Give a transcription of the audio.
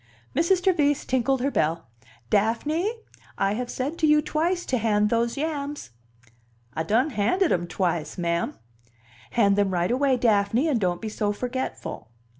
Mrs. Trevise tinkled her bell. "Daphne! I have said to you twice to hand those yams." "I done handed 'em twice, ma'am." "Hand them right away, Daphne, and don't be so forgetful."